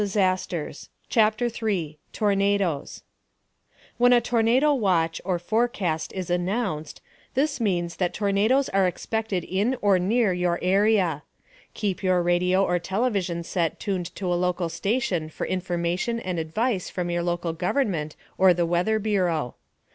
CHAPTER 3 TORNADOES * When a tornado watch (forecast) is announced, this means that tornadoes are expected in or near your area. Keep your radio or television set tuned to a local station for information and advice from your local government or the Weather Bureau.